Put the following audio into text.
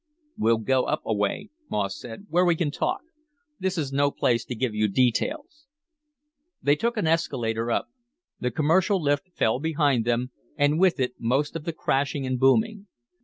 "We'll go up a way," Moss said, "where we can talk. This is no place to give you details." They took an escalator up. The commercial lift fell behind them, and with it most of the crashing and booming.